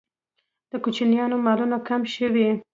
د کوچیانو مالونه کم شوي؟